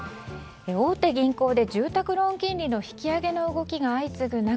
大手銀行で住宅ローン金利の引き上げが相次ぐ中